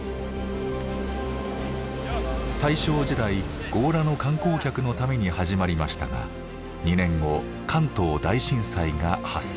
大正時代強羅の観光客のために始まりましたが２年後関東大震災が発生。